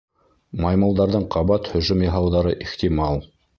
Маймылдарҙың ҡабат һөжүм яһауҙары ихтимал.